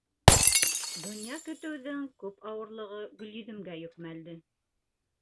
Донъя көтөүҙең күп ауырлығы Гөлйөҙөмгә йөкмәлде.